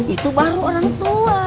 itu baru orang tua